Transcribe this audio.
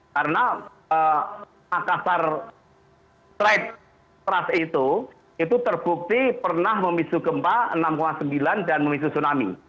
karena makassar trade trust itu terbukti pernah memisu gempa enam sembilan dan memisu tsunami